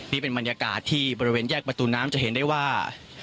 นี่เป็นบริเวณแยกประตูน้ำจะเห็นได้ว่า